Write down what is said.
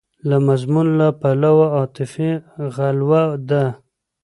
د مضمون له پلوه عاطفي غلوه ده.